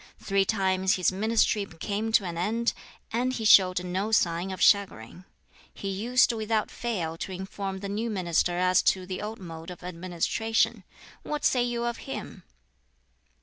Three times his ministry came to an end, and he showed no sign of chagrin. He used without fail to inform the new Minister as to the old mode of administration. What say you of him?"